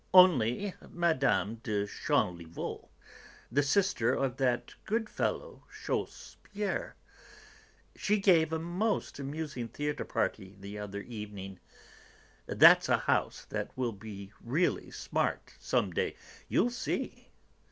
"Only Mme. de Chanlivault, the sister of that good fellow Chaussepierre. She gave a most amusing theatre party the other evening. That's a house that will be really smart some day, you'll see!"